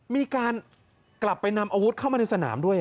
มีการกลับไปนำอาวุธเข้ามาในสนามด้วย